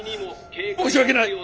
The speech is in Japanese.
申し訳ない。